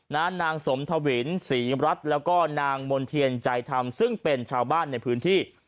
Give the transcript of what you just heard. นางสมทวินศรีรัฐแล้วก็นางมณ์เทียนใจธรรมซึ่งเป็นชาวบ้านในพื้นที่